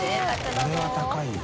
これは高いよ。